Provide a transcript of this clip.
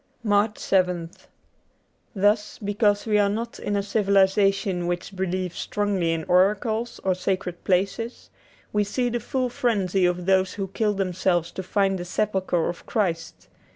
^ 72 MARCH 7th THUS because we are not in a civilization which believes strongly in oracles or sacred places, we see the full frenzy of those who killed themselves to find the sepulchre of Christ.